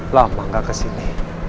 lama nggak kesini